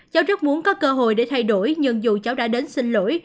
cháu rất muốn có cơ hội để thay đổi nhưng dù cháu đã đến xin lỗi